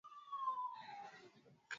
Tarakilishi ni nyingi huko